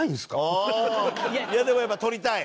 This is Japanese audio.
いやでもやっぱ取りたい？